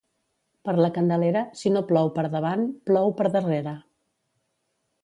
Per la Candelera, si no plou per davant plou, per darrere.